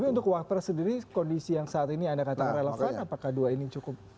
tapi untuk wapres sendiri kondisi yang saat ini anda katakan relevan apakah dua ini cukup